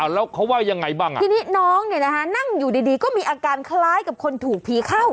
แล้วเขาว่ายังไงบ้างทีนี้น้องเนี่ยนะคะนั่งอยู่ดีก็มีอาการคล้ายกับคนถูกผีเข้า